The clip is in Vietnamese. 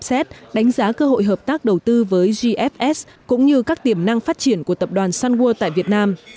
xét đánh giá cơ hội hợp tác đầu tư với gfs cũng như các tiềm năng phát triển của tập đoàn sunwood tại việt nam